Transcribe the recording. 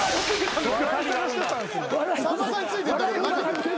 さんまさんについてったけどなかった。